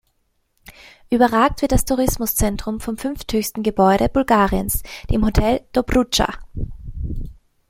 Überragt wird das Tourismuszentrum vom fünfthöchsten Gebäude Bulgariens, dem Hotel Dobrudscha.